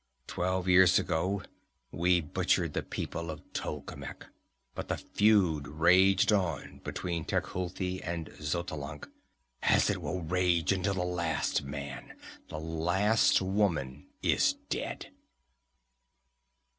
Twelve years ago we butchered the people of Tolkemec, but the feud raged on between Tecuhltli and Xotalanc, as it will rage until the last man, the last woman is dead.